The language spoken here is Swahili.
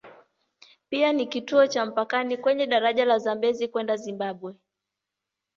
Pia ni kituo cha mpakani kwenye daraja la Zambezi kwenda Zimbabwe.